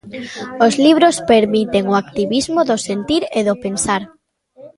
Os libros permiten o activismo do sentir e do pensar.